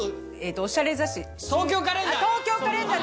おしゃれ雑誌。